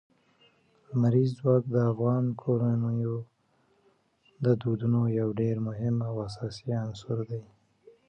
لمریز ځواک د افغان کورنیو د دودونو یو ډېر مهم او اساسي عنصر دی.